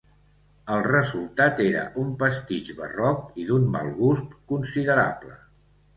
El resultat era un pastitx barroc i d'un mal gust considerable.